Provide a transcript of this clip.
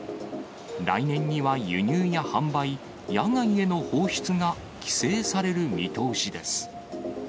来年には輸入や販売、野外への放出が規制される見通しです。